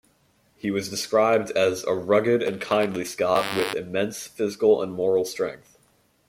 He was described as "a rugged and kindly Scot, with...immense physical and moral strength".